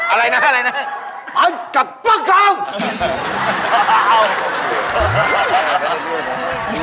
อะไรนะอะไรนะป๋ากระเป้า